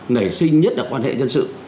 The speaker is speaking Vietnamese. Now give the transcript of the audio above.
nảy sinh nhất là quan hệ dân sự